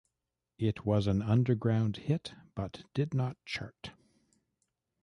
It was an underground hit, but did not chart.